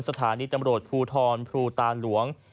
สถานีตำรวจภูทรภูตาหลวง